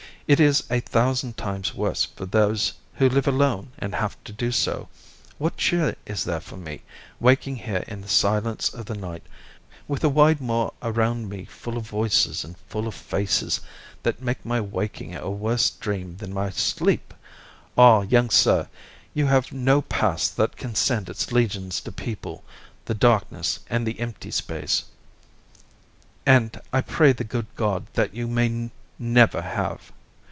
It is a thousand times worse for those who live alone and have to do so. What cheer is there for me, waking here in the silence of the night, with the wide moor around me full of voices and full of faces that make my waking a worse dream than my sleep? Ah, young sir, you have no past that can send its legions to people the darkness and the empty space, and I pray the good God that you may never have!"